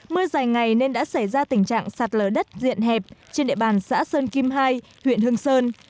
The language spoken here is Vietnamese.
mưa dài ngày nên đã xảy ra tình trạng sạt lở đất diện hẹp trên địa bàn xã sơn kim hai huyện hương sơn